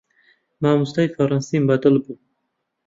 مامۆستای فەڕەنسیم بەدڵ بوو.